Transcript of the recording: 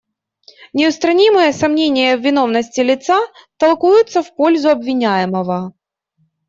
Неустранимые сомнения в виновности лица толкуются в пользу обвиняемого.